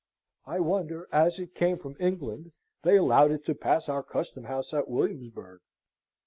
I wonder, as it came from England, they allowed it to pass our custom house at Williamsburg.